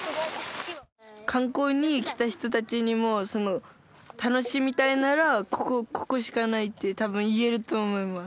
観光に来た人たちにも楽しみたいならここしかないって多分言えると思います